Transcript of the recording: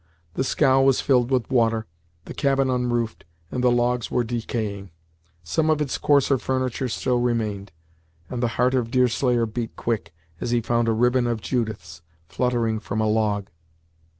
The scow was filled with water, the cabin unroofed, and the logs were decaying. Some of its coarser furniture still remained, and the heart of Deerslayer beat quick, as he found a ribbon of Judith's fluttering from a log.